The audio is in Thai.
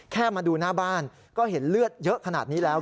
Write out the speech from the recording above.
มาดูหน้าบ้านก็เห็นเลือดเยอะขนาดนี้แล้ว